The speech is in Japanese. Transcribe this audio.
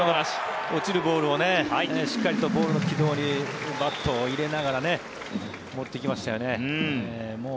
落ちるボールをしっかりとボールの軌道にバットを入れながら持っていきましたよね。